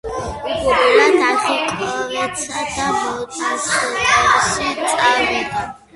უგო ბერად აღიკვეცა და მონასტერში წავიდა.